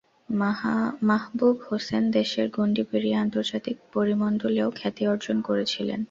মাহবুব হোসেন দেশের গণ্ডি পেরিয়ে আন্তর্জাতিক পরিমণ্ডলেও খ্যাতি অর্জন করেছিলেন।